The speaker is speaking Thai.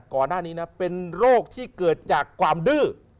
ก่อนหน้านี้นะเป็นโรคที่เกิดจากความดื้อ